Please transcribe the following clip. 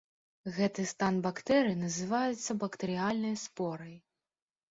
Гэты стан бактэрый называецца бактэрыяльнай спорай.